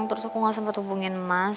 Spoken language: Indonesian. terus aku gak sempet hubungin mas